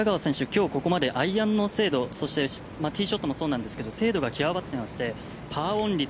きょうここまでアイアンの精度そして、ティーショットもそうなんですけど精度が極まってましてパーオン率